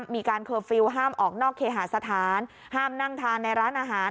เคอร์ฟิลล์ห้ามออกนอกเคหาสถานห้ามนั่งทานในร้านอาหาร